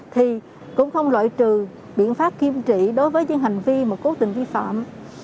thì cũng không loại trừ biện pháp kiên trị đối với những hành vi mà cố tình vi phạm